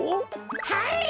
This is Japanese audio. はい！